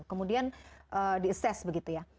kemudian di assess begitu ya